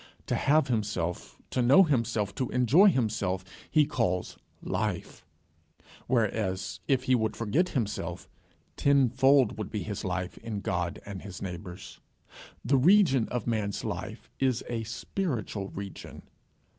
To have himself, to know himself, to enjoy himself, he calls life; whereas, if he would forget himself, tenfold would be his life in God and his neighbours. The region of man's life is a spiritual region.